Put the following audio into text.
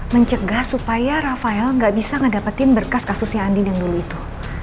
mencegah supaya rafael gak bisa ngedapetin berkas kasusnya andin yang dulu itu